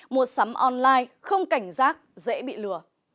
mua sắm online không cảnh giác dễ bị lừa